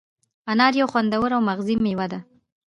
انار یو خوندور او مغذي مېوه ده.